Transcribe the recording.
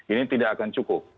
ini tidak akan cukup